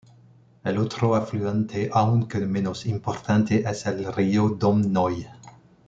El otro afluente, aunque menos importante, es el río Dom Noi.